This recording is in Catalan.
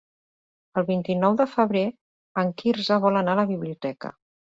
El vint-i-nou de febrer en Quirze vol anar a la biblioteca.